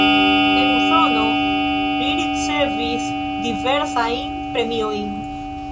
En Usono li ricevis diversajn premiojn.